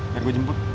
biar gua jemput